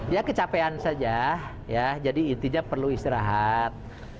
ya kecapean saja ya jadi intinya perlu istirahat